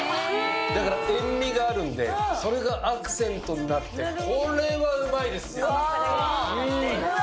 だから塩味があるので、それがアクセントになって、これはうまいですよ。